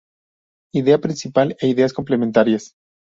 Idea principal e ideas complementarias.